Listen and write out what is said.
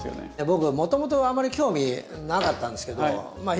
僕もともとはあんまり興味なかったんですけどまあ